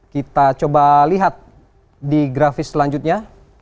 kita coba lihat di grafis selanjutnya